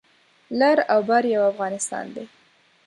لر او بر یو افغانستان دی